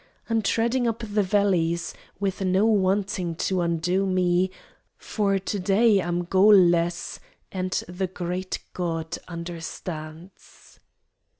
I'm treading up the valleys With no wanting to undo me For to day I'm goalless And the great God understands!